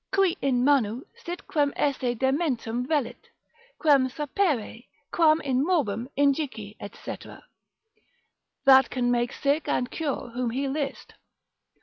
Cui in manu sit quem esse dementem velit, Quem sapere, quam in morbum injici, &c. That can make sick, and cure whom he list.